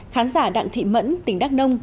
khán giả đặng thị mẫn tỉnh đắk nông